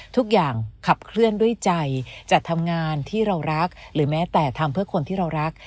ทุกอย่างขับเคลื่อนด้วยใจจัดทำงานที่เรารักหรือแม้แต่ทำเพื่อคนที่เรารัก